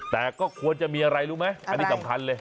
แต่ก็ควรจะมีอะไรรู้ไหมอันนี้สำคัญเลย